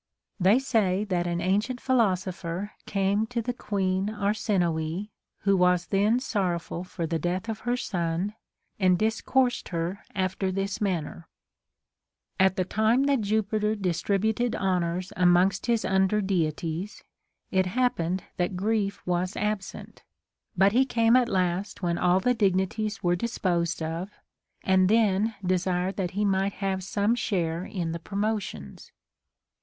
They say that an ancient pliilosopher came to the Queen Arsinoe, Avho was then sor rowful for the death of her son, and discoursed her after this manner: " At the time that .Jupiter distributed hon ors amongst his under deities, it happened that Grief was absent ; but he came at last when all the dignities were disposed of, and then desired that he might have some share in the promotions.